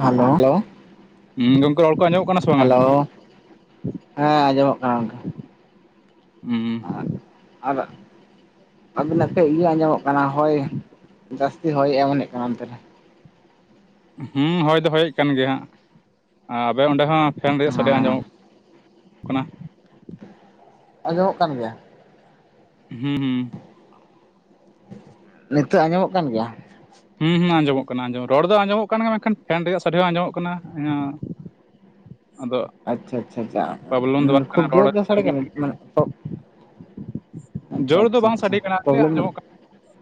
ᱦᱟᱹᱞᱳ ᱦᱩᱸ ᱜᱚᱝᱠᱮ ᱨᱚᱲ ᱠᱚ ᱟᱸᱡᱚᱢᱚᱜ ᱠᱟᱱᱟ ᱥᱮ [inaudible] ᱦᱟ. ᱵᱟᱝᱟ? ᱞᱳ [inaudible] ᱦᱮᱸ ᱟᱸᱡᱚᱢᱚᱜ ᱠᱟᱱᱟ ᱜᱚᱝᱠᱮ [unintelligible] [inaudible] ᱟᱨ [inaudible] ᱟᱹᱵᱤᱱᱟᱜ ᱛᱮᱡ ᱤᱭᱟᱹ ᱟᱸᱡᱚᱢᱚᱜ ᱠᱟᱱᱟ ᱦᱚᱭ [inaudible] ᱡᱟᱥ ᱦᱚᱭ ᱮᱢᱚᱱᱮᱫ ᱠᱟᱱᱟ ᱚᱱᱛᱮ ᱨᱮ ᱦᱢᱢ ᱦᱳᱭ ᱫᱚ ᱦᱳᱭᱮᱫ ᱠᱟᱱ ᱜᱮᱭᱟ ᱦᱟᱸᱜ [inaudible] ᱟᱟᱵᱮ ᱚᱸᱰᱮ ᱦᱚᱸ ᱯᱷᱮᱱ ᱨᱮᱭᱟᱜ ᱥᱟᱰᱮ ᱟᱸᱡᱚᱢ ᱦᱮᱸ ᱠᱟᱱᱟ ᱼᱼ ᱟᱸᱡᱚᱢᱚᱜ ᱠᱟᱱ ᱜᱮᱭᱟ ᱾ ᱦᱩᱸ ᱦᱩᱸ ᱾ ᱱᱤᱛᱚᱜ ᱟᱸᱡᱚᱢᱚᱜ ᱠᱟᱱ ᱜᱮᱭᱟ? ᱦᱩᱸ ᱦᱩᱸ ᱟᱸᱡᱚᱢᱚᱜ ᱠᱟᱱᱟ ᱟᱸᱡᱚᱢ ᱨᱚᱲ ᱫᱚ ᱟᱸᱡᱚᱢᱚᱜ ᱠᱟᱱ ᱜᱮᱭᱟ ᱢᱮᱱᱠᱷᱟᱱ ᱯᱷᱮᱱ ᱨᱮᱭᱟᱜ ᱥᱟᱰᱮ ᱦᱚᱸ ᱟᱸᱡᱚᱢᱚᱜ ᱠᱟᱱᱟ ᱦᱮᱸᱼᱼ ᱟᱫᱚ ᱼᱼ ᱟᱪᱷᱟ ᱟᱪᱪᱷᱟ ᱟᱪᱪᱷᱟ ᱠᱷᱩᱵ ᱨᱚᱲ ᱡᱳᱨ ᱜᱮ ᱥᱟᱰᱮ ᱠᱟᱱᱟ ᱢᱟᱱᱮ ᱼᱼ ᱡᱳᱨ ᱫᱚ ᱵᱟᱝ ᱟᱪᱪᱷᱟ ᱥᱟᱰᱮ ᱠᱟᱱᱟ ᱠᱷᱟᱹᱞᱤ ᱯᱨᱚᱵᱞᱮᱢ ᱟᱸᱡᱚᱢᱚᱜ ᱠᱟᱱᱟ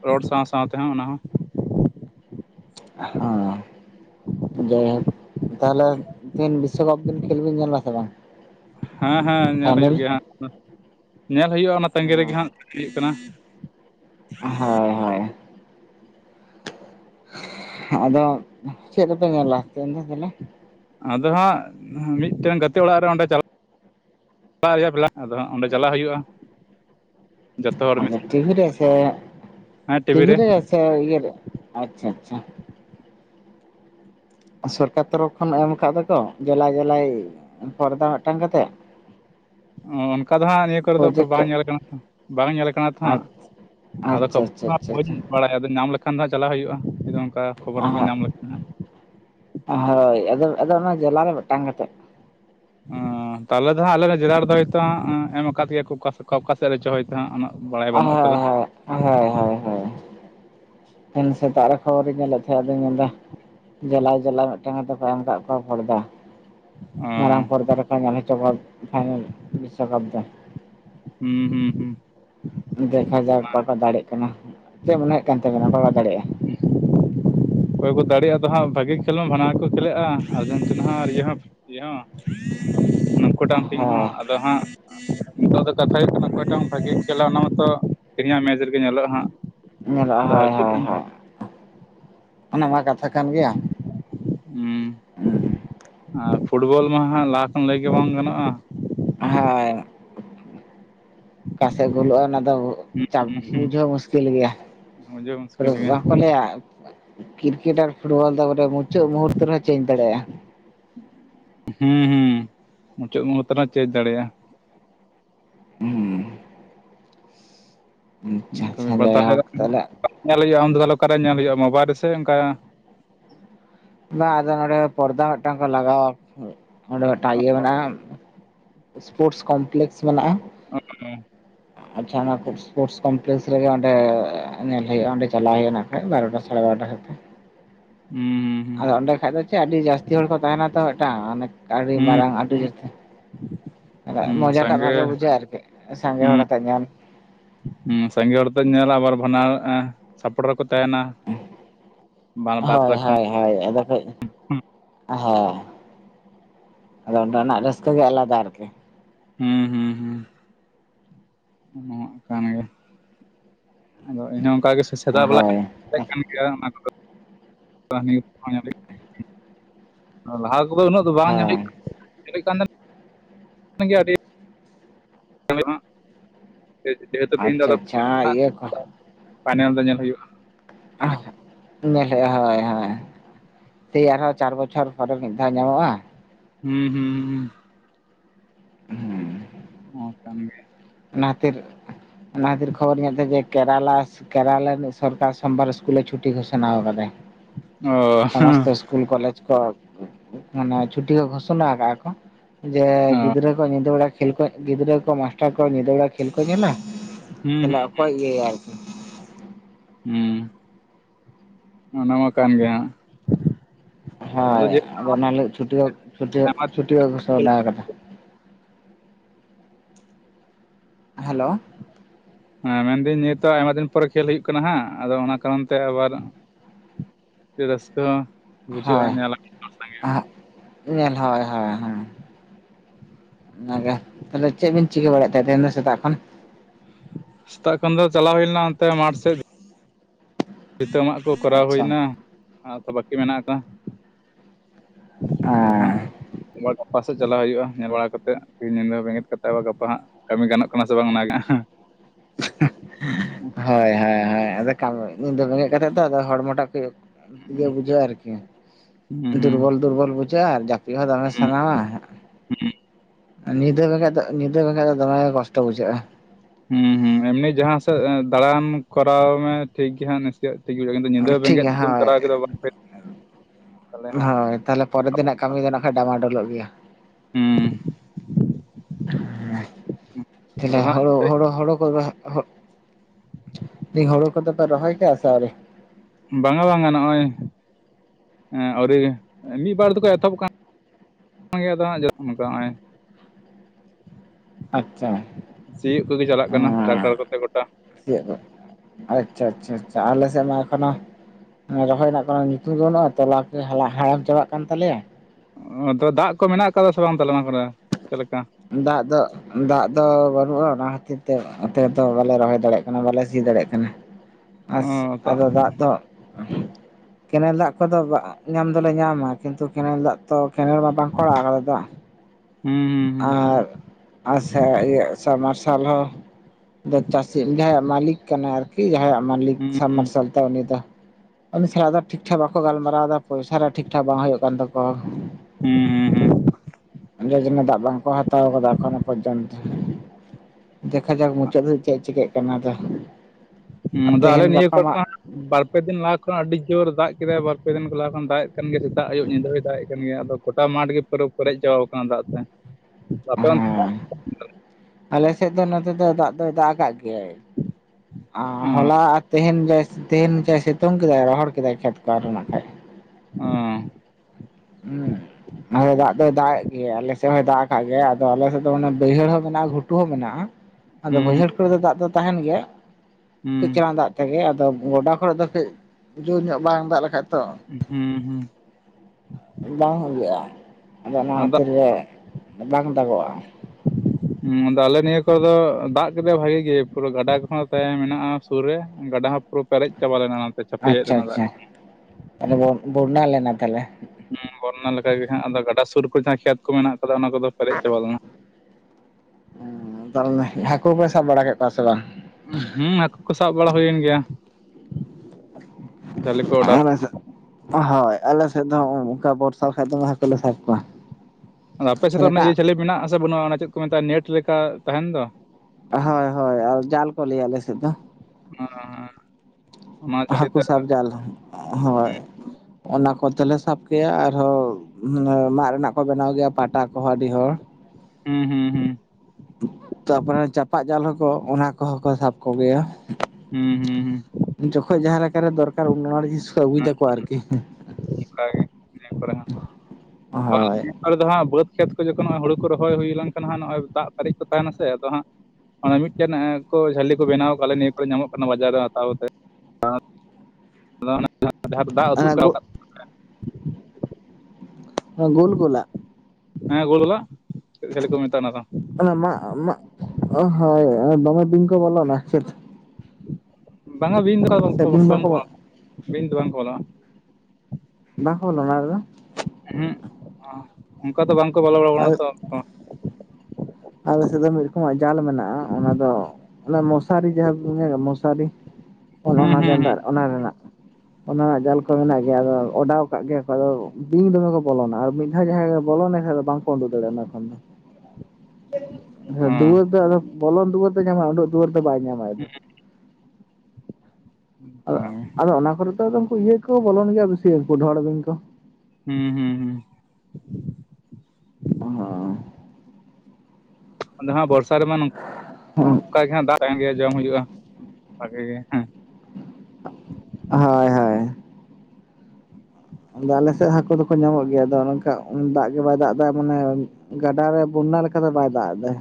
ᱨᱚᱲ ᱥᱟᱶ ᱥᱟᱶᱛᱮ ᱦᱚᱸ ᱚᱱᱟ ᱦᱚᱸ ᱾ ᱦᱚᱸ ᱾ ᱡᱟᱭᱦᱳᱠ ᱛᱟᱦᱚᱞᱮ ᱛᱤᱦᱤᱧ ᱵᱤᱥᱥᱚ ᱠᱟᱯ ᱵᱤᱱ ᱠᱷᱮᱞ ᱵᱤᱱ ᱧᱮᱞ ᱫᱟ ᱥᱮ ᱵᱟᱝ? ᱦᱮᱸ ᱦᱮᱸ ᱧᱮᱞ ᱯᱷᱟᱭᱱᱮᱞ ᱦᱳᱭᱳᱜ ᱜᱮᱭᱟ ᱦᱟᱸᱜ ᱧᱮᱞ ᱦᱳᱭᱳᱜᱼᱟ ᱚᱱᱟ ᱛᱟᱺᱜᱤ ᱨᱮᱜᱮ ᱦᱟᱸᱜ ᱦᱩᱭᱩᱜ ᱠᱟᱱᱟ ᱾ ᱦᱚᱭ ᱦᱚᱭ ᱾ ᱟᱫᱚ ᱪᱮᱫ ᱨᱮᱯᱮ ᱧᱮᱞᱟ ᱛᱤᱦᱤᱧ ᱫᱚ ᱛᱟᱦᱞᱮ? ᱟᱫᱚ ᱦᱟᱸᱜ ᱢᱤᱫᱴᱮᱱ ᱜᱟᱛᱮ ᱚᱲᱟᱜ ᱨᱮ ᱚᱸᱰᱮ ᱪᱟᱞᱟᱼᱼ [unintelligible] ᱟᱫᱚ ᱦᱟᱸᱜ ᱚᱸᱰᱮ ᱪᱟᱞᱟᱜ ᱦᱩᱭᱩᱜᱼᱟ ᱾ ᱟᱪᱷᱟ ᱴᱤᱵᱷᱤ ᱨᱮ ᱥᱮ ᱴᱤᱵᱷᱤ ᱨᱮ ᱥᱮ ᱤᱭᱟᱹ ᱨᱮ ᱟᱪᱪᱷᱟ ᱟᱪᱪᱷᱟ ᱾ ᱥᱚᱨᱠᱟᱨ ᱛᱚᱨᱚᱯᱷ ᱠᱷᱚᱱ ᱮᱢ ᱟᱠᱟᱫ ᱫᱚᱠᱚ ᱡᱮᱞᱟ ᱡᱮᱞᱟᱭ ᱼᱼ ᱯᱚᱨᱫᱟ ᱢᱤᱫᱴᱟᱝ ᱠᱟᱛᱮᱜ ᱾ ᱚ ᱚᱱᱠᱟ ᱫᱚ ᱦᱟᱸᱜ ᱱᱤᱭᱟᱹ ᱠᱚᱨᱮ ᱫᱚ ᱚᱠᱚᱨ ᱯᱨᱚᱡᱮᱠᱴ ᱵᱟᱝ ᱧᱮᱞ ᱠᱟᱱᱟ ᱛᱚ ᱵᱟᱝ ᱧᱮᱞ ᱠᱟᱱᱟ ᱼᱼ ᱠᱟᱱᱟ ᱛᱚ ᱦᱟᱸᱜ ᱟᱪᱪᱷᱟ ᱟᱫᱚ ᱟᱪᱪᱷᱟ ᱠᱷᱚᱵᱚᱨ ᱫᱚ ᱟᱪᱪᱷᱟ ᱵᱟᱹᱧ ᱵᱟᱲᱟᱭᱟ ᱧᱟᱢ ᱞᱮᱠᱷᱟᱱ ᱫᱚ ᱦᱟᱸᱜ ᱪᱟᱞᱟᱜ ᱦᱩᱭᱩᱜᱼᱟ ᱚᱱᱠᱟ ᱼᱼ ᱠᱷᱚᱵᱚᱨ ᱠᱚ ᱟᱪᱪᱷᱟ ᱦᱳᱭ ᱧᱟᱢ ᱞᱮᱠᱷᱟᱱ ᱦᱟᱸᱜ ᱾ ᱦᱳᱭ ᱟᱫᱚ ᱟᱫᱚ ᱚᱱᱟ ᱡᱚᱞᱟ ᱨᱮ ᱢᱮᱫᱴᱟᱝ ᱠᱟᱛᱮ ᱾ ᱚᱸᱻ ᱛᱟᱦᱚᱞᱮ ᱫᱚ ᱦᱟᱸᱜ ᱟᱞᱮ ᱨᱮ ᱡᱮᱞᱟ ᱨᱮ ᱫᱚ ᱦᱚᱭᱛᱳ ᱦᱟᱸᱜ ᱮᱢ ᱟᱠᱟᱫ ᱜᱮᱭᱟ ᱠᱚ ᱚᱠᱟ ᱥᱮᱫ ᱼᱼ ᱨᱮᱪᱚ ᱦᱚᱭᱛᱳ ᱦᱟᱸᱜ ᱩᱱᱟᱜ ᱵᱟᱲᱟᱭ ᱵᱟᱹᱱᱩᱜ ᱟᱠᱟᱫᱟ ᱾ ᱦᱳᱭ ᱦᱳᱭ ᱦᱳᱭ ᱦᱳᱭ ᱦᱳᱭ ᱛᱮᱦᱮᱧ ᱥᱮᱛᱟᱜ ᱨᱮ ᱠᱷᱚᱵᱚᱨᱤᱧ ᱧᱮᱞᱮᱫ ᱛᱟᱦᱮᱸᱫ ᱟᱫᱚᱧ ᱢᱮᱱ ᱫᱟᱼᱼ ᱡᱮᱞᱟᱭ ᱡᱮᱞᱟᱭ ᱢᱤᱫᱴᱮᱝ ᱛᱮ ᱠᱚ ᱮᱢ ᱟᱠᱟᱫ ᱠᱚᱣᱟ ᱯᱚᱨᱫᱟ ᱾ ᱚ ᱢᱟᱨᱟᱝ ᱯᱚᱨᱫᱟ ᱨᱮ ᱠᱚ ᱧᱮᱞ ᱦᱚᱪᱚ ᱠᱚᱣᱟ ᱯᱷᱟᱭᱱᱮᱞ ᱵᱤᱥᱥᱚ ᱠᱟᱯ ᱫᱚ ᱾ ᱦᱩᱸ ᱦᱩᱸ ᱦᱩᱸ ᱾ ᱫᱮᱠᱷᱟ ᱡᱟᱠ ᱚᱠᱚᱭ ᱠᱚ ᱫᱟᱲᱮᱜ ᱠᱟᱱᱟ ᱪᱮᱫ ᱢᱚᱱᱮ ᱦᱳᱭᱳᱜ ᱠᱟᱱ ᱛᱟᱵᱮᱱᱟ ᱚᱠᱚᱭ ᱠᱚ ᱫᱟᱲᱮᱜᱼᱟ? ᱚᱠᱚᱭ ᱠᱚ ᱫᱟᱲᱮᱭᱟᱜ ᱟᱫᱚ ᱦᱟᱸᱜ ᱵᱷᱟᱹᱜᱤ ᱠᱷᱮᱞ ᱦᱚᱸ ᱵᱟᱱᱟᱨ ᱜᱮᱠᱚ ᱠᱷᱮᱞᱚᱜᱼᱟ ᱟᱨᱡᱮᱱᱴᱤᱱᱟ ᱦᱚᱸ ᱤᱭᱟᱹ ᱦᱚᱸ ᱾ ᱤᱭᱟᱹ ᱦᱚᱸ ᱱᱩᱠᱩ ᱴᱟᱝ ᱴᱤᱢ ᱦᱚᱸ ᱦᱳᱭ ᱟᱫᱚ ᱦᱟᱸᱜ ᱼᱼ ᱱᱤᱛᱚᱜ ᱫᱚ ᱠᱟᱛᱷᱟ ᱦᱩᱭᱩᱜ ᱠᱟᱱᱟ ᱚᱠᱚᱭ ᱴᱟᱝ ᱵᱷᱟᱜᱮᱭ ᱠᱷᱮᱞᱟ ᱚᱱᱟ ᱢᱟᱛᱚ ᱛᱤᱦᱤᱧᱟᱜ ᱢᱮᱪ ᱨᱮᱜᱮ ᱧᱮᱞᱚᱜᱼᱟ ᱦᱟᱸᱜ ᱾ ᱧᱮᱞᱚᱜᱼᱟ ᱦᱚᱭ ᱦᱚᱭ ᱦᱚᱭ ᱚᱱᱟ ᱢᱟ ᱠᱟᱛᱷᱟ ᱠᱟᱱ ᱜᱮᱭᱟ ᱾ ᱦᱩᱸ ᱾ ᱟᱨ ᱯᱷᱩᱴᱵᱚᱞ ᱢᱟ ᱦᱟᱸᱜ ᱞᱟᱦᱟ ᱠᱷᱚᱱ ᱞᱟᱹᱭ ᱜᱮ ᱵᱟᱝ ᱜᱟᱱᱚᱜᱼᱟ ᱾ ᱦᱚᱭ ᱾ ᱚᱠᱟ ᱥᱮᱫ ᱜᱳᱞᱳᱜᱼᱟ ᱚᱱᱟ ᱫᱚ ᱪᱟᱯ ᱦᱩᱸ ᱵᱩᱡ ᱦᱚᱸ ᱢᱩᱥᱠᱤᱞ ᱜᱮᱭᱟ ᱾ ᱵᱩᱡᱷᱟᱹᱣ ᱢᱩᱥᱠᱤᱞ ᱜᱮᱭᱟ ᱵᱟᱝ ᱠᱚ ᱞᱟᱹᱭᱟᱼᱼ ᱠᱤᱨᱠᱮᱴ ᱟᱨ ᱯᱷᱩᱴᱵᱚᱞ ᱫᱚ ᱢᱩᱪᱟᱹᱫ ᱢᱩᱦᱩᱨᱛᱚ ᱨᱮ ᱦᱚᱸ ᱪᱮᱧᱡ ᱫᱟᱲᱮᱭᱟᱜᱼᱟ ᱾ ᱦᱩᱸ ᱦᱩᱸ ᱢᱩᱪᱟᱹᱫ ᱢᱩᱦᱩᱨᱛᱚ ᱨᱮ ᱪᱮᱧᱡ ᱫᱟᱲᱮᱭᱟᱜᱼᱟ ᱾ ᱦᱩᱸᱻ ᱚᱝᱠᱟ ᱟᱪᱪᱷᱟ ᱵᱮᱯᱟᱨ ᱛᱟᱦᱚᱞᱮ ᱡᱟᱭᱦᱳᱠ ᱧᱮᱞ ᱦᱩᱭᱩᱜᱼᱟ ᱩᱱ ᱫᱚ ᱚᱠᱟᱨᱮ ᱧᱮᱞ ᱦᱩᱭᱩᱜᱼᱟ ᱢᱳᱵᱟᱭᱤᱞ ᱨᱮ ᱥᱮ ᱚᱱᱠᱟ ᱼᱼ ᱵᱟᱝ ᱟᱫᱚ ᱱᱚᱸᱰᱮ ᱯᱚᱨᱫᱟ ᱢᱤᱫᱴᱟᱝ ᱠᱚ ᱞᱟᱜᱟᱣᱟ ᱚᱸᱰᱮ ᱢᱤᱫᱴᱟᱝ ᱤᱭᱟᱹ ᱢᱮᱱᱟᱜᱼᱟ ᱾ ᱥᱯᱳᱨᱴᱥ ᱠᱚᱢᱯᱞᱮᱠᱥ ᱢᱮᱱᱟᱜᱼᱟ ᱾ [unintelligible] ᱟᱪᱪᱷᱟ ᱚᱱᱟ ᱥᱯᱳᱨᱴᱥ ᱠᱚᱢᱯᱞᱮᱠᱥ ᱨᱮᱜᱮ ᱚᱸᱰᱮ ᱧᱮᱞ ᱦᱳᱭᱳᱜᱼᱟ ᱚᱸᱰᱮ ᱪᱟᱞᱟᱜ ᱦᱩᱭᱩᱜᱼᱟ ᱠᱷᱟᱡ ᱵᱟᱨᱚᱴᱟ ᱥᱟᱲᱮ ᱵᱟᱨᱚᱴᱟ ᱛᱮᱼᱼ ᱦᱩᱸ ᱾ ᱟᱫᱚ ᱚᱸᱰᱮ ᱠᱷᱟᱡ ᱫᱚ ᱪᱮᱫ ᱟᱹᱰᱤ ᱡᱟᱹᱥᱛᱤ ᱦᱚᱲ ᱠᱚ ᱛᱟᱦᱮᱱᱟ ᱛᱚ ᱢᱤᱫᱴᱟᱝ ᱟᱹᱰᱤ ᱦᱩᱸ ᱢᱟᱨᱟᱝ ᱟᱹᱰᱤ [unintelligible] ᱼᱼ ᱦᱩᱸ ᱢᱚᱡᱟ ᱴᱟᱜ ᱥᱟᱸᱜᱮ ᱵᱷᱟᱜᱮ ᱵᱩᱡᱷᱟᱹᱜᱼᱟ ᱟᱨᱠᱤ ᱥᱟᱸᱜᱮ ᱦᱚᱲ ᱦᱩᱸ ᱟᱛᱮ ᱧᱮᱞ ᱾ ᱦᱩᱸ ᱥᱟᱸᱜᱮ ᱦᱚᱲ ᱛᱮ ᱧᱮᱞ ᱟᱵᱟᱨ ᱵᱟᱱᱟᱨ ᱥᱟᱯᱚᱴ ᱨᱮᱠᱚ ᱛᱟᱦᱮᱱᱟ ᱾ ᱦᱳᱭ ᱦᱳᱭ ᱦᱳᱭ ᱟᱫᱚ ᱠᱷᱟᱹᱪ ᱦᱮᱸ [unintelligible] ᱦᱟᱸ ᱟᱫᱚ ᱚᱸᱰᱮᱱᱟᱜ ᱨᱟᱹᱥᱠᱟᱹ ᱜᱮ ᱟᱞᱟᱫᱟ ᱟᱨᱠᱤ ᱦᱩᱸᱦᱩᱸᱦᱩᱸ [unintelligible] ᱠᱟᱱ ᱜᱮᱭᱟ ᱟᱫᱚ ᱤᱧᱦᱚᱸ ᱚᱱᱠᱟᱜᱮ ᱥᱮᱛᱟᱜ ᱵᱮᱞᱟ ᱦᱳᱭ ᱠᱟᱹᱪ [inaudible] [inaudible] ᱠᱟᱱ ᱜᱮᱭᱟ ᱚᱱᱟ ᱠᱚᱫᱚ ᱠᱟᱹᱤ ᱧ ᱞᱟᱦᱟ ᱠᱚᱫᱚ ᱩᱱᱟᱹᱜ ᱫᱚ ᱵᱟᱝ ᱧᱮᱞ ᱦᱳᱭ ᱧᱮᱞ ᱠᱟᱱ ᱛᱟᱦᱮ ᱟᱹᱰᱤ [unintelligible] ᱟᱪᱪᱷᱟ ᱟᱪᱪᱷᱟ [unintelligible] ᱤᱭᱟᱹ ᱠᱚ ᱯᱷᱟᱭᱱᱮᱞ ᱫᱚ ᱧᱮᱞ ᱦᱩᱭᱩᱜᱼᱟ ᱟᱷ ᱧᱮ ᱦᱳᱭ ᱦᱳᱭ ᱮᱭ ᱟᱨᱦᱚᱸ ᱪᱟᱨ ᱵᱚᱪᱷᱚᱨ ᱯᱚᱨᱮ ᱢᱤᱫ ᱫᱷᱟᱣ ᱧᱟᱢᱚᱜᱼᱟ ᱦᱩᱸᱼᱦᱩᱸ ᱦᱩᱸᱼᱦᱩᱸ ᱦᱮᱸ [inaudible] ᱦ [inaudible] ᱚᱱᱟ ᱠᱷᱟᱹᱛᱤᱨ ᱚᱱᱟ ᱠᱷᱛᱤᱨ ᱠᱷᱚᱵᱚᱨᱤ ᱧᱮᱞ ᱛᱟᱦᱮᱸ ᱡᱮ ᱠᱮᱨᱟᱞᱟ ᱠᱮᱨᱟᱞᱟ ᱨᱤᱱᱤᱡ ᱥᱚᱨᱠᱟᱨ ᱥᱳᱢᱵᱟᱨ ᱤᱥᱠᱩᱞᱮ ᱪᱷᱩᱴᱤ ᱜᱷᱚᱥᱚᱱᱟ ᱟᱠᱟᱫᱟᱭ ᱚ ᱥᱚᱢᱚᱥᱛᱚ ᱤᱥᱠᱩᱞ ᱠᱚᱞᱮᱡᱽ ᱠᱚ ᱢᱟᱱᱮ ᱪᱷᱩᱴᱤ ᱠᱚ ᱜᱷᱳᱥᱚᱱᱟ ᱠᱟᱜᱼᱟ ᱠᱚ ᱡᱮ ᱚ ᱜᱤᱫᱽᱨᱟᱹ ᱠᱚ ᱧᱤᱫᱟᱹ ᱵᱮᱲᱟ ᱜᱤᱫᱽᱨᱟᱹ ᱠᱚ ᱢᱟᱥᱴᱟᱨ ᱠᱚ ᱧᱤᱫᱟᱹ ᱵᱮᱲᱟ ᱠᱷᱮᱞ ᱠᱚ ᱧᱮᱞᱟ ᱦᱩᱸ ᱦᱩᱸ ᱠᱚᱭ ᱤᱭᱟᱹᱭᱟ ᱟᱨᱠᱤ [unintelligible] ᱦᱳᱸ ᱚᱱᱟᱢᱟ ᱠᱟᱱ ᱜᱮᱭᱟ ᱦᱟᱜ ᱦᱳᱭ ᱾ ᱟᱫᱚ ᱚᱱᱟ ᱞᱟᱹᱜᱤᱫ ᱪᱷᱩᱴᱤᱭᱳ ᱪᱷᱩᱴᱤᱭᱳ ᱟᱭᱢᱟ ᱫᱤᱱ ᱪᱷᱩᱴᱤᱭᱟᱹᱣ ᱠᱷᱮᱞ ᱜᱷᱚᱥᱚᱱᱟ ᱟᱠᱟᱫᱟ ᱾ ᱦᱮᱞᱳ ᱾ ᱦᱮᱸ ᱢᱮᱱᱫᱟᱹᱧ ᱱᱤᱭᱟᱹᱤᱛᱚ ᱟᱭᱢᱟ ᱫᱤᱱ ᱯᱚᱨᱮ ᱠᱷᱮᱞ ᱦᱩᱭᱩᱜ ᱠᱟᱱᱟ ᱦᱟᱸᱜ ᱟᱫᱚ ᱚᱱᱟ ᱠᱟᱨᱚᱱ ᱛᱮ ᱟᱵᱟᱨ [unintelligible] ᱨᱟᱹᱥᱠᱟᱹ ᱵᱩᱡᱷᱟᱹᱜᱼᱟ ᱦᱳᱭ ᱧᱮᱞᱟ ᱧᱮᱞ ᱦᱳᱭ ᱦᱳᱭ ᱚᱱᱟ ᱜᱮ ᱾ ᱪᱮᱫ ᱵᱤᱱ ᱪᱤᱠᱟᱹ ᱵᱟᱲᱟᱭᱮᱫ ᱛᱟᱦᱮᱸ ᱫᱚ ᱥᱮᱛᱟᱜ ᱠᱷᱚᱱ? ᱥᱮᱛᱟᱜ ᱠᱷᱚᱱ ᱫᱚ ᱪᱟᱞᱟᱣ ᱦᱩᱭ ᱞᱮᱱᱟ ᱚᱱᱛᱮ ᱢᱟᱴᱷ ᱥᱮᱫ ᱾ ᱵᱤᱛᱟᱹᱢᱟᱜ ᱠᱚ ᱠᱚᱨᱟᱣ ᱟᱪᱪᱷᱟ ᱦᱩᱭᱱᱟ ᱟᱨ ᱠᱚ ᱵᱟᱹᱠᱤ ᱢᱮᱱᱟᱜ ᱟᱠᱟᱜᱼᱟ ᱾ ᱟ ᱦᱮ [inaudible] ᱜᱟᱯᱟ ᱥᱮᱫ ᱪᱟᱞᱟᱣ ᱦᱩᱭᱩᱜᱼᱟ ᱾ ᱧᱮᱞ ᱵᱟᱲᱟ ᱠᱟᱛᱮ ᱛᱮᱦᱤ ᱧᱤᱫᱟᱹ ᱵᱮᱸᱜᱮᱫ ᱠᱟᱛᱮ ᱟᱵᱟᱨ ᱜᱟᱯᱟ ᱦᱟᱸᱜ ᱠᱟᱹᱢᱤ ᱜᱟᱱᱚᱜ ᱠᱟᱱᱟ ᱥᱮ ᱵᱟᱝ ᱚᱱᱟ ᱜᱮ ᱾ ᱦᱳᱭ ᱦᱳᱭ ᱦᱭ ᱟᱫᱚ ᱠᱟᱹᱢᱤ ᱧᱤᱫᱟᱹ ᱵᱮᱸᱜᱮᱫ ᱠᱟᱛᱮᱫ ᱛᱚ ᱟᱫᱚ ᱦᱚᱲᱢᱚᱴᱟᱜ ᱠᱚ ᱤᱭᱟᱹ ᱵᱩᱡᱷᱟᱹᱜᱼᱟ ᱟᱨᱠᱤ ᱾ ᱦᱩᱸ ᱦᱩᱸ ᱫᱩᱨᱵᱚᱞ ᱫᱩᱨᱵᱚᱞ ᱵᱩᱡᱷᱟᱹᱜᱼᱟ ᱟᱨ ᱡᱟᱹᱯᱤᱫ ᱦᱚᱸ ᱫᱚᱢᱮ ᱦᱩᱸ ᱥᱟᱱᱟᱣᱟ ᱾ ᱧᱤᱫᱟᱹ ᱵᱮᱸᱜᱮᱫ ᱫᱚ ᱧᱤᱫᱟᱹ ᱵᱮᱸᱜᱮᱫ ᱫᱚ ᱫᱚᱢᱮ ᱠᱚᱥᱴᱚ ᱵᱩᱡᱷᱟᱹᱜᱼᱟ ᱾ ᱦᱩᱸ ᱦᱩᱸ ᱾ ᱮᱢᱱᱤ ᱡᱟᱦᱟᱸ ᱥᱮᱫ ᱫᱟᱲᱟᱱ ᱠᱚᱨᱟᱣ ᱢᱮ ᱴᱷᱤᱠ ᱜᱮ ᱦᱟᱸᱜ ᱪᱮᱫ ᱴᱷᱤᱠ ᱦᱩᱭᱩᱜᱼᱟ ᱠᱤᱱᱛᱩ ᱧᱤᱫᱟᱹ ᱴᱷᱤᱠ ᱵᱮᱸᱜᱮᱫ ᱜᱮᱭᱟ ᱫᱚᱢ ᱦᱳᱭ ᱠᱚᱨᱟᱣ ᱠᱮᱫᱟ ᱵᱟᱝ ᱯᱮ ᱛᱟᱦᱚᱞᱮ ᱦᱟᱸᱜ ᱾ ᱦᱳᱭ ᱛᱟᱦᱚᱞᱮ ᱯᱚᱨᱮ ᱛᱮ ᱱᱟᱜ ᱠᱟᱹᱢᱤ ᱫᱚ ᱱᱟᱜ ᱠᱷᱟᱡ ᱰᱟᱢᱟ ᱰᱚᱞᱚᱜ ᱜᱮᱭᱟ ᱾ ᱦᱩᱸ ᱾ ᱦᱲᱩ ᱟᱫᱚ [unintelligible] ᱦᱟᱸᱜ ᱦᱳᱲᱩ ᱦᱩᱲᱩ ᱠᱚᱫᱚ ᱦᱳᱲᱩ ᱠᱚᱫᱚ ᱯᱮ ᱨᱚᱦᱚᱭ ᱠᱮᱜᱼᱟ ᱥᱮ ᱟᱹᱣᱨᱤ? ᱵᱟᱝᱟ ᱵᱟᱝᱟ ᱱᱚᱜᱼᱚᱭ ᱟᱹᱣᱨᱤ ᱢᱤᱫ ᱵᱟᱨ ᱫᱚᱠᱚ ᱮᱛᱚᱦᱚᱵ ᱟᱠᱟ ᱜᱮ ᱟᱫᱚ ᱦᱟᱸᱜ ᱡᱟᱱᱟᱢᱚᱜ ᱱᱚᱜᱼᱚᱭ ᱟᱪᱪᱷᱟ [unintelligible] ᱥᱤᱭᱚᱜ ᱠᱚᱜᱮ ᱪᱟᱞᱟᱜ ᱠᱟᱱᱟ ᱴᱨᱟᱠᱴᱟᱨ ᱦᱮᱸ ᱠᱚᱛᱮ ᱜᱚᱴᱟ ᱾ ᱪᱮᱫ ᱟᱪᱪᱷᱟ ᱟᱪᱪᱷᱟ ᱟᱞᱮ ᱥᱮᱫ ᱢᱟ ᱮᱠᱷᱚᱱᱳ ᱨᱚᱦᱚᱭ ᱨᱮᱱᱟᱜ ᱠᱚᱱᱳ ᱧᱩᱛᱩᱢ ᱫᱚ ᱵᱟᱹᱱᱩᱜᱼᱟ ᱛᱚᱞᱟ ᱠᱚ ᱦᱟᱲᱟᱢ ᱪᱟᱵᱟᱜ ᱠᱟᱱ ᱛᱟᱞᱮᱭᱟ ᱾ ᱟᱫᱚ ᱫᱟᱜ ᱠᱚ ᱢᱮᱱᱟᱜ ᱟᱠᱟᱫᱟ ᱥᱮ ᱵᱟᱝ ᱛᱟᱦᱚᱞᱮ ᱚᱱᱟ ᱠᱚᱨᱮ ᱪᱮᱫ ᱞᱮᱠᱟ? ᱫᱟᱜ ᱫᱚ ᱾ ᱫᱟᱜ ᱫᱚ ᱵᱟᱹᱱᱩᱜᱼᱟ ᱚᱱᱟ ᱠᱷᱟᱹᱛᱤᱨ ᱛᱮ ᱱᱚᱛᱮ ᱦᱚᱛᱚ ᱵᱟᱞᱮ ᱨᱚᱦᱚᱭ ᱫᱟᱲᱮᱭᱟᱜ ᱠᱟᱱᱟ ᱵᱟᱞᱮ ᱥᱤ ᱫᱟᱲᱮᱭᱟᱜ ᱠᱟᱱᱟ ᱾ [inaudible] ᱟᱥ ᱛᱚ ᱟᱫᱚ ᱫᱟᱜ ᱫᱚ ᱠᱮᱱᱮᱞ ᱫᱟᱜ ᱠᱚᱫᱚ ᱧᱟᱢ ᱫᱚ ᱞᱮ ᱧᱟᱢᱟ ᱾ ᱠᱤᱱᱛᱩ ᱠᱮᱱᱮᱞ ᱫᱟᱜ ᱛᱚ ᱠᱮᱱᱮᱞ ᱢᱟ ᱵᱟᱝ ᱠᱚ ᱟᱲᱟᱜ ᱠᱟᱫᱟ ᱫᱟᱜ ᱾ ᱦᱩᱸ ᱦᱩᱸ ᱾ ᱟᱨ ᱟᱥᱮ ᱤᱭᱟᱹ ᱥᱟᱵ ᱢᱟᱨᱥᱟᱞ ᱦᱚᱸ ᱪᱟᱹᱥᱤᱭᱟᱜ ᱢᱟᱹᱞᱤᱠ ᱠᱟᱱᱟᱭ ᱟᱨᱠᱤ ᱠᱤ ᱡᱟᱦᱟᱸᱭᱟᱜ ᱢᱟᱹᱞᱤᱠ ᱦᱩᱸ ᱦᱩᱸ ᱥᱟᱵᱢᱟᱨᱥᱟᱞ ᱛᱟᱭ᱾ ᱩᱱᱤ ᱫᱚ ᱩᱱᱤ ᱪᱷᱟᱲᱟ ᱫᱚ ᱴᱷᱤᱠ ᱴᱷᱟᱠ ᱵᱟᱠᱚ ᱜᱟᱞᱢᱟᱨᱟᱣ ᱫᱟ ᱯᱚᱭᱥᱟᱨᱟ ᱴᱷᱤᱠ ᱴᱷᱟᱠ ᱵᱟᱝ ᱦᱩᱭᱩᱜ ᱠᱟᱱ ᱛᱟᱠᱚᱣᱟ ᱾ ᱦᱩᱸ ᱦᱩᱸ ᱦᱩᱸ ᱦᱩᱸ ᱡᱮ ᱡᱮᱢᱚᱱ ᱵᱟᱝ ᱠᱚ ᱦᱟᱛᱟᱣ ᱠᱟᱫᱟ ᱮᱠᱷᱚᱱᱳ ᱯᱚᱨᱡᱚᱱᱛᱚ ᱾ ᱫᱮᱠᱷᱟ ᱡᱟᱠ ᱢᱩᱪᱟᱹᱫ ᱫᱷᱟᱹᱵᱤᱡ ᱪᱮᱫ ᱪᱤᱠᱟᱹᱜ ᱠᱟᱱᱟ ᱛᱚ ᱾ ᱦᱩᱸ ᱟᱫᱚ ᱟᱞᱮ ᱱᱤᱭᱟᱹ ᱠᱚᱨᱮ ᱵᱟᱨᱯᱮ ᱫᱤᱱ ᱞᱟᱦᱟ ᱠᱷᱚᱱ ᱟᱹᱰᱤ ᱡᱳᱨ ᱫᱟᱜ ᱠᱮᱫᱟᱭ, ᱵᱟᱨᱯᱮ ᱫᱤᱱ ᱞᱟᱦᱟ ᱠᱷᱚᱱ ᱫᱟᱜ ᱮ ᱠᱟᱱ ᱜᱮᱭᱟ, ᱥᱮᱛᱟᱜ ᱟᱹᱭᱩᱵ ᱧᱤᱫᱟᱹᱭ ᱫᱟᱜ ᱮᱫ ᱠᱟᱱ ᱜᱮᱭᱟ ᱾ ᱟᱫᱚ ᱜᱚᱴᱟ ᱢᱟᱴᱷ ᱜᱮ ᱯᱩᱨᱟ ᱯᱮᱨᱮᱡ ᱪᱟᱵᱟ ᱟᱠᱟᱱᱟ ᱫᱟᱜ ᱛᱮ ᱾ ᱟᱯᱮ ᱚᱱᱛᱮ? ᱦᱮᱸ ᱟᱞᱮ ᱥᱮᱫ ᱫᱚ ᱱᱚᱛᱮ ᱫᱚ ᱫᱟᱜ ᱫᱚᱭ ᱫᱟᱜ ᱠᱟᱜ ᱜᱮᱭᱟᱭ ᱾ ᱚᱸ ᱦᱚᱞᱟ ᱛᱮᱦᱮᱧ ᱛᱮᱦᱮᱧ ᱡᱟᱭ ᱥᱤᱛᱩᱝ ᱠᱮᱫᱟᱭ, ᱨᱚᱦᱚᱲ ᱠᱮᱫᱟᱭ ᱠᱷᱮᱛ ᱠᱚ ᱨᱮᱱᱟᱜ ᱠᱷᱟᱡ᱾ ᱚ ᱦᱩᱸ ᱟᱞᱮ ᱫᱟᱜ ᱫᱚᱭ ᱫᱟᱜ ᱮᱫ ᱜᱮᱭᱟ᱾ ᱟᱞᱮᱥᱮᱫ ᱦᱳᱭ ᱫᱟᱜ ᱟᱠᱟᱫ ᱜᱮ, ᱟᱫᱚ ᱟᱞᱮ ᱥᱮᱫ ᱫᱚ ᱚᱱᱮ ᱵᱟᱹᱭᱦᱟᱹᱲ ᱦᱚᱸ ᱢᱮᱱᱟᱜᱼᱟ᱾ ᱜᱷᱩᱴᱩ ᱦᱚᱸ ᱢᱮᱱᱟᱜᱼᱟ ᱾ ᱟᱫᱚ ᱦᱩᱸ ᱵᱟᱹᱭᱦᱟᱹᱲ ᱠᱚᱨᱮ ᱫᱚ ᱫᱟᱜ ᱫᱚ ᱛᱟᱦᱮᱱ ᱜᱮᱭᱟ᱾ ᱦᱩᱸ ᱠᱟᱹᱡ ᱪᱮᱞᱟᱝ ᱫᱟᱜ ᱛᱮᱜᱮ ᱟᱫᱚ ᱜᱚᱰᱟ ᱠᱚᱨᱮ ᱫᱚ ᱠᱟᱹᱡ ᱡᱳᱨ ᱧᱚᱜ ᱵᱟᱝ ᱫᱟᱜ ᱞᱮᱠᱷᱟᱡ ᱛᱚ ᱦᱩᱸ ᱦᱩᱸ ᱵᱟᱝ ᱦᱩᱭᱩᱜ-ᱟ᱾ᱟᱫᱚ ᱚᱱᱟ ᱟᱫᱚ ᱠᱷᱟᱹᱛᱤᱨ ᱜᱮ ᱵᱟᱝ ᱫᱟᱜᱚᱜᱼᱟ᱾ [unintelligible] ᱦᱩᱸ ᱟᱫᱚ ᱟᱞᱮ ᱱᱤᱭᱟᱹ ᱠᱚᱨᱮ ᱫᱚ, ᱫᱟᱜ ᱠᱮᱫᱟ ᱵᱷᱟᱹᱜᱤ ᱜᱮ ᱯᱩᱨᱟᱹ ᱜᱟᱰᱟ ᱠᱚᱦᱚᱸ ᱛᱟᱦᱮᱸ ᱢᱮᱱᱟᱜᱼᱟ᱾ᱥᱩᱨ ᱨᱮ ᱜᱟᱰᱟ ᱦᱚᱸ ᱠᱚ ᱯᱮᱨᱮᱡ ᱪᱟᱵᱟ ᱞᱮᱱᱟ᱾ ᱱᱚᱛᱮ ᱪᱟᱯᱮᱭᱮᱫ ᱟᱪᱪᱷᱟ ᱞᱮᱱᱟ ᱫᱟᱜ ᱟᱪᱪᱷᱟ ᱟᱪᱪᱷᱟ᱾ᱛᱟᱦᱚᱞᱮ ᱵᱚ‌ᱵᱷᱟᱱᱱᱟ ᱞᱮᱱᱟ ᱛᱟᱦᱚᱞᱮ ᱾ ᱦᱮᱸ ᱵᱚᱱᱱᱟ ᱞᱮᱟ ᱜᱮ ᱦᱟᱸᱜ᱾ ᱟᱫᱚ ᱜᱟᱰᱟ ᱥᱩᱨ ᱠᱚ ᱡᱟᱦᱟᱸ ᱠᱷᱮᱛ ᱠᱚ ᱢᱮᱱᱟᱜ ᱟᱠᱟᱫᱟ ᱚᱱᱟ ᱠᱚᱫᱚ ᱯᱮᱨᱮᱡ ᱪᱟᱵᱟ ᱞᱮᱱᱟ᱾ [unintelligible] ᱦᱟᱹᱠᱩ ᱯᱮ ᱥᱟᱵ ᱵᱟᱲᱟ ᱠᱮᱫ ᱠᱚᱣᱟ ᱥᱮ ᱵᱟᱝ? ᱦᱩᱸ ᱦᱟᱹᱠᱩ ᱠᱚ ᱥᱟᱵ ᱵᱟᱲᱟ ᱦᱩᱭᱮᱱ ᱜᱮᱭᱟ᱾ ᱡᱷᱟᱹᱞᱤ ᱠᱚ ᱚᱰᱟᱣ ᱟᱞᱮ ᱥᱮᱫ ᱦᱳᱭ ᱾ ᱟᱞᱮ ᱥᱮᱫ ᱫᱚ ᱚᱱᱠᱟ ᱵᱚᱨᱥᱟ ᱠᱷᱟᱡ ᱫᱚ ᱦᱟᱹᱠᱩ ᱠᱚᱞᱮ ᱥᱟᱵ ᱠᱚᱣᱟ ᱾ ᱟᱫᱚ ᱟᱯᱮ ᱥᱮᱫ ᱫᱚ ᱤᱭᱟᱹ ᱡᱷᱟᱹᱞᱤ ᱢᱮᱱᱟᱜᱼᱟ ᱟᱥᱮ ᱵᱟᱹᱱᱩᱜᱼᱟ ᱚᱱᱟ ᱪᱮᱫ ᱠᱚ ᱢᱮᱛᱟᱜᱼᱟ ᱱᱮᱴ ᱞᱮᱠᱟ ᱛᱟᱦᱮᱱ ᱫᱚ ᱾ ᱦᱳᱭ ᱦᱳᱭ ᱾ ᱟᱨ ᱡᱟᱞ ᱠᱚ ᱞᱟᱹᱭᱟ ᱟᱞᱮ ᱥᱮᱫ ᱫᱚ ᱾ [unintelligible] ᱚᱱᱟ ᱪᱟᱹᱞᱤ ᱦᱟᱹᱠᱩ ᱛᱮ ᱥᱟᱵ ᱡᱟᱞ ᱦᱚᱸ, ᱦᱳᱭ, ᱚᱱᱟ ᱠᱚᱛᱮᱞᱮ ᱥᱟᱵ ᱠᱮᱭᱟ ᱟᱨᱦᱚᱸ ᱦᱮᱸ, ᱢᱟᱫ ᱨᱮᱱᱟᱜ ᱠᱚ ᱵᱮᱱᱟᱣ ᱜᱮᱭᱟ ᱯᱟᱴᱟ ᱠᱚᱦᱚᱸ ᱟᱹᱰᱤ ᱦᱚᱲ ᱦᱩᱸ ᱦᱩᱸ ᱦᱩᱸ ᱛᱟᱨᱯᱚᱨᱮ ᱪᱟᱯᱟᱫ ᱡᱟᱞ ᱦᱚᱸᱠᱚ ᱚᱱᱟ ᱠᱚᱦᱚᱸ ᱠᱚ ᱥᱟᱵ ᱠᱚᱜᱮᱭᱟ᱾ ᱦᱩᱸ ᱦᱩᱸ ᱦᱩᱸ ᱡᱚᱠᱷᱚᱡ ᱡᱟᱦᱟᱸ ᱞᱮᱠᱟᱨᱮ ᱫᱚᱨᱠᱟᱨ, ᱩᱱ ᱱᱚᱣᱟ ᱡᱤᱱᱤᱥ ᱠᱚ ᱟᱹᱜᱩᱭ ᱫᱟᱠᱚ ᱟᱨᱠᱤ ᱚᱝᱠᱟᱜᱮ ᱱᱤᱭᱟᱹ ᱠᱚᱨᱮ ᱦᱚᱸ ᱦᱳᱭ ᱱᱚᱸᱰᱮ ᱫᱚ ᱦᱟᱸᱜ ᱵᱟᱹᱫᱽ ᱠᱷᱮᱛ ᱠᱚ ᱡᱚᱠᱷᱚᱱ ᱦᱩᱲᱩ ᱠᱚ ᱨᱚᱦᱚᱭ ᱦᱩᱭ ᱞᱮᱱᱠᱷᱟᱱ ᱦᱟᱸᱜ ᱱᱚᱜᱼᱚᱭ ᱫᱟᱜ ᱯᱟᱨᱤᱡ ᱠᱚ ᱛᱟᱦᱮᱱᱟ ᱥᱮ ᱟᱫᱚ ᱦᱟᱸᱜᱸ ᱚᱱᱮ ᱢᱤᱫᱴᱮᱱ ᱮᱸᱜ ᱠᱚ ᱡᱷᱟᱹᱞᱤ ᱠᱚ ᱵᱮᱱᱟᱣ ᱠᱟᱜ-ᱞᱮ ᱱᱤᱭᱟᱹ ᱠᱚᱨᱮ ᱧᱟᱢᱚᱜ ᱠᱟᱱᱟ ᱵᱟᱡᱟᱨ ᱨᱮ ᱦᱟᱛᱟᱣ ᱛᱮ ᱡᱟᱦᱟᱸ, ᱡᱟᱦᱟ ᱠᱚ ᱫᱟᱜ ᱚᱱᱟ ‌ᱟᱛᱩᱜ ᱠᱟᱜ ᱠᱟᱨᱮ ᱾ ᱦᱮᱸ ᱜᱳᱞ ᱜᱳᱞᱟᱜ ᱦᱮᱸ ᱜᱳᱞᱟᱜ ᱪᱮᱫ ᱡᱷᱟᱹᱞᱤ ᱠᱚ ᱢᱮᱛᱟᱜ-ᱟ? ᱚᱱᱟ ᱫᱚ ᱚᱱᱟ ᱢᱟᱜ, ᱢᱟᱜ ᱦᱳᱭ ᱫᱚᱢᱮ ᱵᱤᱧᱠᱚ ᱵᱚᱞᱚᱱᱟ ᱥᱮ ᱪᱮᱫ? ᱫᱚ ᱵᱟᱝ-ᱟ ᱵᱤᱧ ᱫᱚ ᱵᱟᱠᱚ ᱥᱮ ᱠᱚ ᱵᱟᱝ ᱵᱤᱧ ᱠᱚ ᱵᱚᱞᱚᱱᱟ ᱵᱟᱠᱚ ᱾ᱵᱤᱧ ᱫᱚ ᱵᱟᱝ ᱠᱚ ᱵᱚᱞᱚᱜ-ᱟ᱾ ᱵᱟᱝ ᱠᱚ ᱵᱚᱞᱚᱱᱟ ᱚᱸᱰᱮ ᱫᱚ᱾ ᱮᱸᱦᱮᱸᱜ ᱚᱱᱠᱟ ᱫᱚ ᱵᱟᱝᱠᱚ ᱵᱚᱞᱚ ᱵᱟᱲᱟᱣ ᱟᱠᱟᱱᱟ ᱛᱚ᱾ ᱟᱞᱮᱥᱮᱫ ᱫᱚ ᱢᱤᱫ ᱨᱚᱠᱚᱢᱟᱜ ᱡᱟᱞ ᱢᱮᱱᱟᱜᱼᱟ ᱚᱱᱟ ᱫᱚ ᱚᱱᱮ ᱢᱚᱥᱟᱨᱤ ᱡᱟᱦᱟᱸ ᱠᱚᱠᱚ ᱢᱮᱱᱮᱜ-ᱟ ᱢᱚᱥᱟᱨᱤ ᱚᱱ ᱦᱩᱸ ᱚᱱᱟ ᱦᱩᱸ ᱦᱩᱸ ᱡᱮᱱᱵᱟᱨ ᱚᱱᱟ ᱨᱮᱱᱟᱜ ᱚᱱᱟ ᱡᱟᱞ ᱠᱚ ᱢᱮᱱᱟᱜ ᱜᱮᱭᱟ ᱟᱫᱚ ᱚᱰᱟᱣ ᱠᱟᱜ ᱜᱮᱭᱟ ᱠᱚ ᱟᱫᱚ ᱵᱤᱧ ᱫᱚᱢᱮ ᱠᱚ ᱵᱚᱞᱚᱱᱟ ᱟᱨ ᱢᱤᱫ ᱦᱮᱸ ᱡᱟᱦᱟᱸᱭ ᱫᱚ ᱵᱚᱞᱚᱞᱮᱱ ᱠᱷᱟᱡ ᱫᱚ ᱵᱟᱝᱠᱚ ᱩᱰᱩᱠ ᱫᱟᱲᱮᱭᱟᱜᱼᱟ ᱚᱱᱟ ᱠᱷᱚᱱ ᱫᱚ ᱚ ᱦᱮᱸ ᱫᱩᱣᱟᱹᱨ ᱚᱱᱠᱟ ᱫᱚ ᱟᱫᱚ ᱵᱚᱞᱚᱱ ᱫᱩᱣᱟᱹᱨ ᱫᱚᱭ ᱧᱟᱢᱟ ᱚᱰᱚᱜ ᱫᱩᱣᱟᱹᱨ ᱫᱚ ᱵᱟᱭ ᱧᱟᱢᱟ ᱟᱫᱚ ᱟᱫᱚ ᱜᱮ ᱟᱫᱚ ᱚᱱᱟ ᱠᱚᱨᱮ ᱛᱚ ᱩᱱᱠᱩ ᱤᱭᱟᱹ ᱠᱚ ᱵᱚᱞᱚᱱ ᱜᱮᱭᱟ ᱵᱤᱥᱤ ᱩᱝᱠᱩ ᱰᱷᱚᱬ ᱵᱤᱧ ᱠᱚ ᱦᱩᱸ ᱦᱩᱸ ᱦᱩᱸ ᱦᱩᱸ ᱟᱦᱟᱸ ᱟᱫᱚ ᱦᱟᱸᱜ ᱵᱚᱨᱥᱟ ᱨᱮᱢᱟ ᱱᱚᱜ ᱱᱚᱝᱠᱟ ᱜᱮ ᱦᱟᱸᱜ ᱫᱟᱜ ᱛᱟᱦᱮᱱ ᱜᱮᱭᱟ ᱡᱚᱢ ᱦᱩᱭᱩᱜᱼᱟ ᱵᱷᱟᱜᱮ ᱜᱮ ᱦᱮᱸ ᱟᱦᱟᱭ ᱟᱫᱚ ᱟᱞᱮ ᱥᱮᱫ ᱦᱟᱹᱠᱩ ᱫᱚᱠᱚ ᱧᱟᱢᱚᱜ ᱜᱮᱭᱟ ᱟᱫᱚ ᱚᱱᱟ ᱫᱚ ᱫᱟᱜ ᱫᱟᱜ ᱜᱮ ᱵᱟᱭ ᱫᱟᱜ ᱮᱫᱟ ᱢᱟᱱᱮ ᱜᱟᱰᱟ ᱨᱮ ᱵᱚᱱᱱᱟ ᱞᱮᱠᱟ ᱫᱚ ᱵᱟᱭ ᱫᱟᱜ ᱮᱫᱟ᱾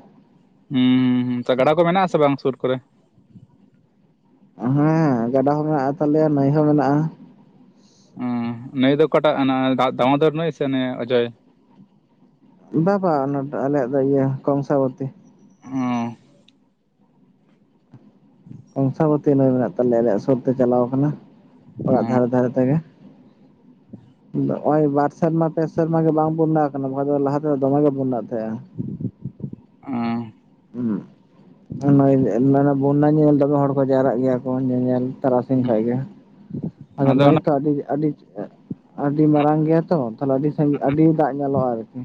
ᱦᱩᱸ ᱦᱩᱸ ᱦᱩᱸ ᱛᱟ ᱜᱟᱲᱟ ᱠᱚ ᱢᱮᱱᱟᱜ ᱟᱥᱮ ᱵᱟᱝ ᱥᱩᱨ ᱠᱚᱨᱮ ᱦᱮᱸ ᱜᱟᱰᱟ ᱦᱚᱸ ᱢᱮᱱᱟᱜ ᱛᱟᱞᱮᱭᱟ ᱱᱟᱹᱭ ᱦᱚᱸ ᱢᱮᱱᱟᱜᱼᱟ᱾ ᱩᱸ ᱱᱟᱹᱭ ᱫᱚ ᱚᱠᱟᱴᱟᱜ ᱦᱟᱱᱟ ᱫᱟᱜ ᱫᱟᱢᱚᱫᱚᱨ ᱱᱟᱹᱭ ᱥᱮ ᱱᱤᱭᱟᱹ ᱟᱹᱡᱟᱹᱭ ᱵᱟ ᱵᱟ ᱚᱱᱟ ᱫᱚ ᱟᱞᱮᱭᱟᱜ ᱫᱚ ᱤᱭᱟᱹ ᱠᱚᱝᱥᱟᱵᱚᱛᱤ ᱚᱸ ᱛᱤᱱᱟᱹᱜ ᱢᱮᱱᱟᱜ ᱛᱟᱞᱮᱭᱟ ᱟᱞᱮᱭᱟᱜ ᱥᱩᱨᱛᱮ ᱪᱟᱞᱟᱣ ᱟᱠᱟᱱᱟ ᱚᱲᱟᱜ ᱚᱸ ᱫᱷᱟᱨᱮ ᱫᱷᱟᱨᱮ ᱛᱮᱜᱮ ᱱᱚᱜ-ᱚᱭ ᱵᱟᱨ ᱥᱮᱨᱢᱟ ᱯᱮ ᱥᱮᱨᱢᱟ ᱜᱮ ᱵᱟᱝ ᱵᱚᱱᱱᱟ ᱟᱠᱟᱱᱟ ᱵᱟᱠᱷᱟᱡ ᱫᱚ ᱞᱟᱦᱟ ᱛᱮᱫᱚ ᱫᱚᱢᱮᱜᱮ ᱵᱚᱱᱱᱟᱜ ᱛᱟᱦᱮᱱᱟ ᱮᱸ ᱩᱸᱜ ᱚᱱᱟ ᱚᱱᱟ ᱵᱚᱱᱱᱟ ᱧᱮᱞ ᱫᱚᱢᱮ ᱦᱚᱲ ᱠᱚ ᱡᱟᱣᱨᱟᱜ ᱜᱮᱭᱟ ᱠᱚ ᱧᱮᱧᱮᱞ ᱛᱟᱨᱟᱥᱤᱧ ᱠᱷᱟᱡ ᱜᱮ ᱟᱫᱚ ᱱᱟᱹᱭ ᱛᱚ ᱟᱹᱰᱤᱜᱽ ᱟᱹᱰᱤᱜᱽ ᱟᱹᱰᱤ ᱢᱟᱨᱟᱝ ᱜᱮᱭᱟ ᱛᱚ ᱛᱟᱦᱞᱮ ᱟᱹᱰᱤ ᱥᱟᱺᱜᱤᱧ ᱟᱹᱰᱤ ᱫᱟᱜ ᱧᱮᱞᱚᱜᱼᱟ ᱟᱨᱠᱤ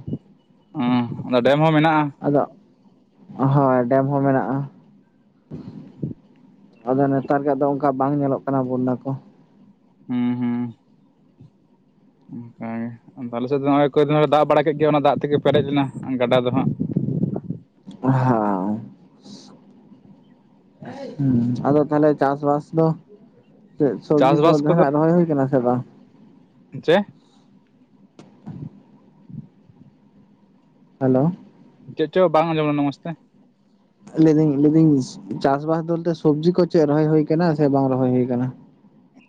ᱚᱸ ᱚᱱᱟ ᱰᱮᱢ ᱦᱚᱸ ᱢᱮᱱᱟᱜᱼᱟ ᱟᱫᱚ ᱦᱚᱭ ᱰᱮᱢ ᱦᱚᱸ ᱢᱮᱱᱟᱜᱼᱟ ᱟᱫᱚ ᱱᱮᱛᱟᱨ ᱨᱮᱭᱟᱜ ᱫᱚ ᱚᱱᱠᱟ ᱵᱟᱝ ᱧᱮᱞᱚᱜ ᱠᱟᱱᱟ ᱵᱚᱱᱱᱟ ᱠᱚ ᱦᱩᱸ ᱦᱩᱸ ᱦᱮᱸ ᱟᱠᱮ ᱥᱮᱫ ᱫᱚᱦᱟᱸᱜ ᱦᱚᱸᱜ- ᱚᱭ ᱠᱚᱭ ᱫᱟᱜ ᱵᱟᱲᱟ ᱠᱮᱫ ᱜᱮᱭᱟ ᱚᱱᱟ ᱫᱟᱜ ᱛᱮᱜᱮ ᱯᱮᱨᱮᱡ ᱞᱮᱱᱟ ᱜᱟᱰᱟ ᱫᱚ ᱦᱟᱸᱜ ᱟᱦᱟᱣ ᱟᱹᱭ ᱟᱫᱚ ᱛᱟᱦᱞᱮ ᱪᱟᱥ-ᱵᱟᱥ ᱫᱚ ᱪᱮᱫ ᱥᱚᱵᱽᱡᱤ ᱠᱚ ᱪᱟᱥᱵᱟᱥ ᱡᱟᱦᱟᱱᱟᱜ ᱨᱚᱦᱚᱭ ᱦᱩᱭ ᱠᱟᱱᱟ ᱥᱮ ᱵᱟᱝ ᱪᱮᱫ ᱦᱟᱞᱚ ᱪᱮᱫ ᱪᱚ ᱵᱟᱝ ᱟᱸᱡᱚᱢ ᱞᱮᱱᱟ ᱢᱚᱡᱽ ᱛᱮ ᱞᱟᱹᱭᱮᱫᱟᱹᱧ ᱞᱟᱹᱭᱮᱫᱟᱹᱧ ᱪᱟᱥ-ᱵᱟᱥ ᱵᱚᱞᱛᱮ ᱥᱚᱵᱽᱡᱤ ᱠᱚ ᱪᱮᱫ ᱨᱚᱦᱚᱭ ᱦᱩᱭ ᱟᱠᱟᱱᱟ ᱥᱮ ᱵᱟᱝ ᱨᱚᱦᱚᱭ ᱦᱩᱭ ᱟᱠᱟᱱᱟ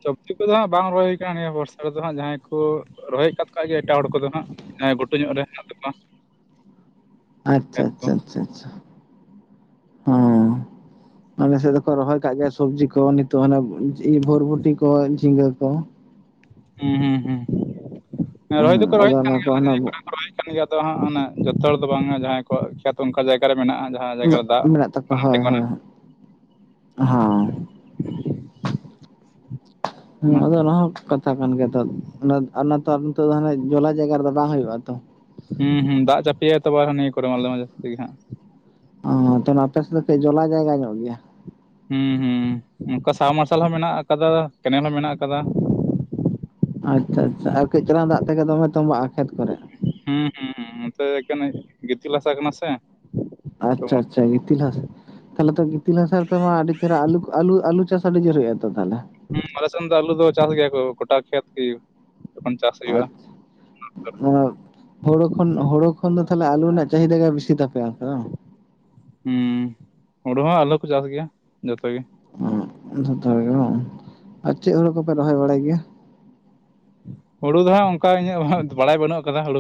ᱥᱚᱵᱽᱡᱤ ᱠᱚᱫᱚ ᱦᱟᱸᱜ ᱵᱟᱝ ᱨᱚᱦᱚᱭ ᱠᱟᱱᱟ ᱱᱤᱭᱟᱹ ᱵᱚᱨᱥᱟ ᱨᱮᱫᱚ ᱦᱟᱸᱜ ᱡᱟᱦᱟᱸᱭ ᱠᱚ ᱨᱚᱦᱚᱭᱟᱠᱟᱫ ᱜᱮᱭᱟ ᱮᱴᱟᱜ ᱦᱚᱲ ᱠᱚᱫᱚ ᱦᱟᱸᱜ ᱦᱮᱸ ᱜᱷᱩᱴᱩ ᱧᱚᱜ ᱨᱮ ᱦᱮᱱᱟᱜ ᱛᱟᱯᱟ ᱟᱪᱪᱷᱟ ᱟᱪᱷᱟ ᱪᱷᱟ ᱦᱚᱸ ᱟᱞᱮ ᱥᱮ ᱫᱚᱠᱚ ᱨᱚᱦᱚᱭ ᱠᱟᱜ ᱜᱮᱭᱟ ᱥᱚᱵᱽᱡᱤ ᱠᱚ ᱱᱤᱛᱚᱜ ᱦᱟᱱᱮ ᱵᱷᱚᱨᱵᱷᱩᱴᱤ ᱠᱚ ᱡᱷᱤᱸᱜᱟᱹ ᱠᱚ ᱦᱩᱸ ᱦᱩᱸ ᱦᱩᱸ ᱨᱚᱦᱚᱭ ᱦᱮᱸ ᱫᱚᱠᱚ ᱟᱫᱚ ᱨᱚᱦᱚᱭᱮᱫ ᱠᱟᱱ ᱚᱱᱟ ᱠᱚ ᱜᱮᱭᱟ ᱚᱱᱟ [unintelligible] ᱨᱚᱦᱚᱭ ᱠᱟᱱ ᱜᱮᱭᱟ ᱟᱫᱚ ᱦᱟᱸᱜ ᱚᱱᱮ ᱡᱚᱛᱚ ᱦᱚᱲ ᱫᱚ ᱵᱟᱝᱟ ᱡᱟᱦᱟᱸᱭ ᱠᱚᱣᱟᱜ ᱠᱷᱮᱛ ᱚᱱᱠᱟ ᱡᱟᱭᱜᱟ ᱨᱮ ᱢᱮᱱᱟᱜᱼᱟ ᱡᱟᱦ ᱢᱮᱱᱟᱜ ᱢᱮᱱᱟᱜ ᱛᱟᱠᱚᱣᱟ ᱦᱚᱭ ᱦᱚᱭ ᱦᱮᱸ ᱦᱮᱸ ᱟᱫᱚ ᱚᱱᱟ ᱦᱚᱸ ᱠᱟᱛᱷᱟ ᱠᱟᱱ ᱜᱮᱭᱟ ᱛᱚ ᱟᱨ ᱚᱱᱟ ᱛᱟᱨ ᱱᱤᱛ ᱫᱚ ᱦᱟᱱᱮ ᱡᱚᱞᱟ ᱡᱟᱭᱜᱟ ᱨᱮᱫᱚ ᱵᱟᱝ ᱦᱩᱭᱩᱜ-ᱟ ᱛᱚ ᱦᱩᱸ ᱦᱩᱸ ᱫᱟᱜ ᱪᱟᱯᱮᱭᱟ ᱛᱚᱵᱮ ᱟᱨ ᱦᱚᱸ ᱱᱤᱭᱟᱹ ᱠᱚᱨᱮ ᱟᱞᱮ ᱢᱟ ᱡᱟᱹᱥᱛᱤᱢ ᱜᱤ ᱦᱟᱸᱜ ᱚ ᱛᱚ ᱱᱟᱛᱮ ᱥᱮᱫ ᱪᱮᱫ ᱡᱚᱞᱟ ᱡᱟᱭᱜᱟ ᱧᱚᱜ ᱜᱮᱭᱟ ᱦᱮᱸ ᱦᱩᱸ ᱚᱱᱠᱟ ᱥᱟᱵ ᱢᱟᱨᱥᱟᱞ ᱦᱚᱸ ᱢᱮᱱᱟᱜ ᱟᱠᱟᱫᱟ ᱠᱮᱱᱮᱞ ᱦᱚᱸ ᱢᱮᱱᱟᱜ ᱟᱠᱟᱫᱟ ᱟᱪᱪᱷᱟ ᱟᱪᱪᱷᱟ ᱟᱨ ᱠᱟᱹᱡ ᱪᱮᱞᱟᱝ ᱫᱟᱜ ᱛᱮᱜᱮ ᱫᱚᱢᱮ ᱛᱚᱢᱵᱟᱜᱼᱟ ᱠᱷᱮᱛ ᱠᱚᱨᱮ ᱦᱩᱸ ᱦᱩᱸ ᱦᱩᱸ ᱱᱚᱛᱮ ᱫᱚ ᱮᱠᱮᱱ ᱜᱤᱛᱤᱞ ᱦᱟᱥᱟ ᱠᱟᱱᱟ ᱥᱮ ᱛᱚ ᱟᱪᱪᱷᱟ ᱟᱪᱪᱷᱟ ᱜᱤᱛᱤᱞ ᱦᱟᱥ ᱛᱟᱦᱚᱞᱮ ᱛᱚ ᱜᱤᱛᱤᱞ ᱦᱟᱥᱟ ᱨᱮᱛᱚ ᱢᱟ ᱟᱹᱰᱤ ᱪᱮᱦᱨᱟ ᱟᱞᱩ ᱟᱞᱩ ᱪᱟᱥ ᱟᱹᱰᱤ ᱡᱚᱨ ᱦᱩᱭᱩᱜᱼᱟ ᱛᱚ ᱛᱟᱦᱞᱮ ᱦᱮᱸ ᱟᱞᱮ ᱥᱮᱱ ᱫᱚ ᱟᱹᱞᱩ ᱫᱚ ᱪᱟᱥ ᱜᱮᱭᱟ ᱠᱚ ᱜᱚᱴᱟ ᱠᱷᱮᱛ ᱜᱤ ᱟᱪᱷᱟ ᱚᱱᱟ ᱦᱳᱲᱳ ᱠᱷᱚᱱ ᱦᱳᱲᱳ ᱠᱷᱚᱱ ᱫᱚ ᱛᱟᱦᱞᱮ ᱟᱹᱞᱩ ᱨᱮᱱᱟᱜ ᱪᱟᱦᱤᱫᱟ ᱵᱮᱥᱤ ᱛᱟᱯᱮᱭᱟ ᱵᱟᱝ ᱦᱩᱸ ᱦᱩᱲᱩ ᱦᱚᱸ ᱟᱞᱩ ᱠᱚ ᱪᱟᱥ ᱜᱮᱭᱟ ᱡᱚᱛᱚ ᱜᱮ ᱡᱚᱛᱚ ᱦᱚᱲ ᱜᱮ ᱵᱟᱝ ᱟᱨ ᱪᱮᱫ ᱦᱚᱲ ᱠᱚᱯᱮ ᱨᱚᱦᱚᱭ ᱵᱟᱲᱟᱭ ᱜᱮᱭᱟ ᱦᱩᱲᱩ ᱫᱚ ᱦᱟᱸᱜ ᱚᱱᱠᱟ ᱤᱧᱟᱹᱜ ᱵᱟᱲᱟᱭ ᱵᱟᱹᱱᱩᱜ ᱟᱠᱟ ᱠᱟᱫᱟ ᱦᱩᱲᱩ ᱠᱚ